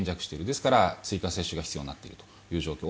ですから、追加接種が必要になっている状況。